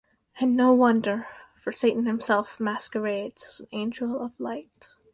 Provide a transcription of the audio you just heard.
And no wonder, for Satan himself masquerades as an angel of light.